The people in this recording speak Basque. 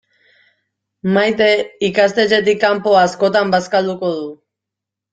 Maite ikastetxetik kanpo askotan bazkalduko du.